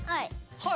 「はい」？